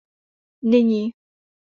Nyní!